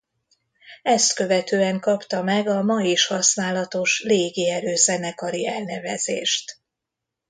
Ezt követően kapta meg a ma is használatos Légierő Zenekari elnevezést.